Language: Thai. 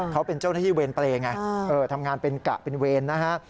เขาเป็นเจ้าหน้าที่เวรเปรย์ไงทำงานเป็นกะเป็นเวรนะฮะ